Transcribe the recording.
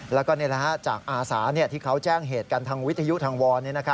แล้วก็จากอาสาที่เขาแจ้งเหตุกันทางวิทยุทางวร